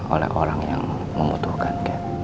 oleh orang yang membutuhkan